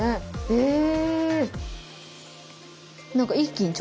へえ。